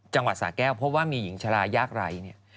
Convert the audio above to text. จังหวัดสาแก้วพบว่ามีหญิงชาลายากไร้